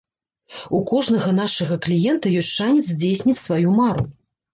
У кожнага нашага кліента ёсць шанец здзейсніць сваю мару.